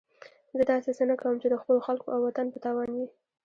زه داسې څه نه کوم چې د خپلو خلکو او وطن په تاوان وي.